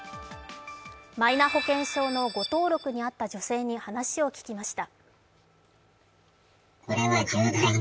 マイナ保険証の誤登録に遭った女性に話を聞きました。